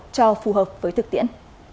cho phù hợp với thực tiễn